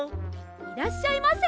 いらっしゃいませ。